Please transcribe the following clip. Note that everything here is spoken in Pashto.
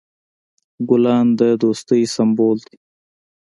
ګلان د دوستی سمبول دي.